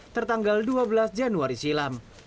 tertanggal dua belas januari silam